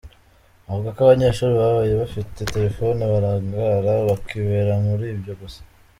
Avuga ko Abanyeshuri babaye bafite Telefoni barangara bakibera muri ibyo gusa.